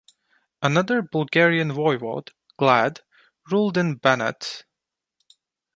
Another Bulgarian voivod, Glad, ruled in Banat.